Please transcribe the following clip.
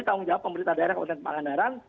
tanggung jawab pemerintah daerah kabupaten pangandaran